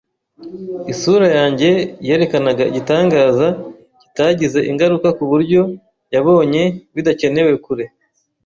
Isura yanjye yerekanaga igitangaza kitagize ingaruka kuburyo yabonye bidakenewe kure